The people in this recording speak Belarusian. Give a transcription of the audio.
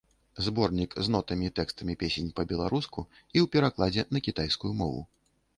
Зборнік з нотамі і тэкстамі песень па-беларуску і ў перакладзе на кітайскую мову.